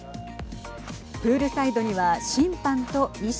プールサイドには審判と医師。